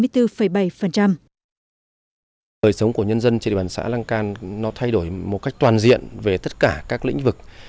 thời sống của nhân dân trên địa bàn xã lăng can nó thay đổi một cách toàn diện về tất cả các lĩnh vực